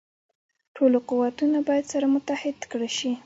ټول قوتونه باید سره متحد کړه شي.